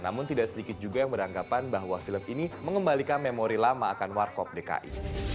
namun tidak sedikit juga yang beranggapan bahwa film ini mengembalikan memori lama akan warkop dki